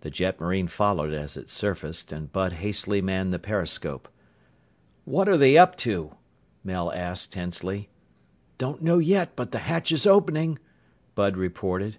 The jetmarine followed as it surfaced and Bud hastily manned the periscope. "What're they up to?" Mel asked tensely. "Don't know yet, but the hatch is opening," Bud reported.